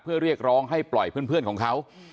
เพื่อเรียกร้องให้ปล่อยเพื่อนของเขา